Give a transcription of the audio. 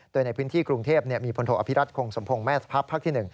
โดยในพื้นที่กรุงเทพมีพลโทอภิรัตคงสมพงศ์แม่ทัพภาคที่๑